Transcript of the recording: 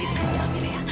gajah kamu amira